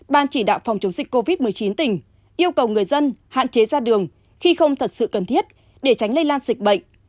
ban chỉ đạo phòng chống dịch covid một mươi chín tỉnh yêu cầu người dân hạn chế ra đường khi không thật sự cần thiết để tránh lây lan dịch bệnh